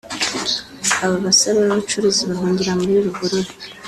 Aba basore b’abacuruzi bahungira muri Ruhurura